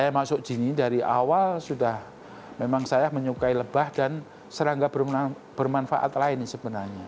saya masuk dini dari awal sudah memang saya menyukai lebah dan serangga bermanfaat lain sebenarnya